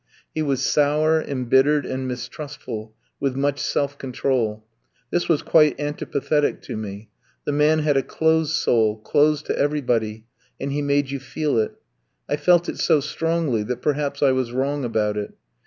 He was sour, embittered, and mistrustful, with much self control; this was quite antipathetic to me; the man had a closed soul, closed to everybody, and he made you feel it. I felt it so strongly that perhaps I was wrong about it.